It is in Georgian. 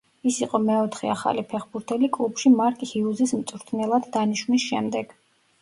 ის იყო მეოთხე ახალი ფეხბურთელი კლუბში მარკ ჰიუზის მწვრთნელად დანიშვნის შემდეგ.